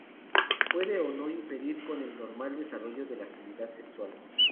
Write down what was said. Puede o no interferir con el normal desarrollo de la actividad sexual.